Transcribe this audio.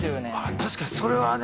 確かにそれはね